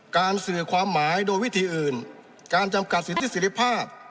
สื่อความหมายโดยวิธีอื่นการจำกัดสิทธิเสร็จภาพ